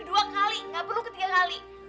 dua kali gak perlu ketiga kali